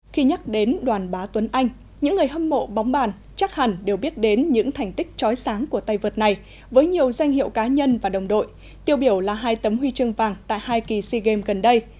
khi nhắc đến đoàn bá tuấn anh những người hâm mộ bóng bàn chắc hẳn đều biết đến những thành tích trói sáng của tay vợt này với nhiều danh hiệu cá nhân và đồng đội tiêu biểu là hai tấm huy chương vàng tại hai kỳ sea games gần đây